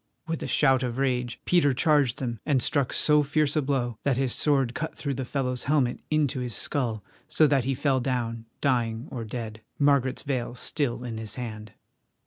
With a shout of rage Peter charged them, and struck so fierce a blow that his sword cut through the fellow's helmet into his skull, so that he fell down, dying or dead, Margaret's veil still in his hand.